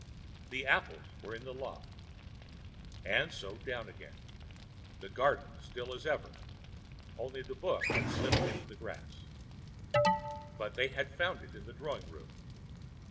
The apples were in the loft. And so down again, the garden still as ever, only the book had slipped into the grass. But they had found it in the drawing room.